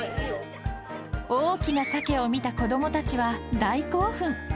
大きなサケを見た子どもたちは大興奮。